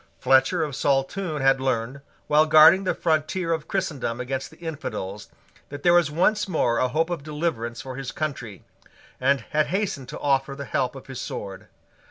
Fletcher of Saltoun had learned, while guarding the frontier of Christendom against the infidels, that there was once more a hope of deliverance for his country, and had hastened to offer the help of his sword.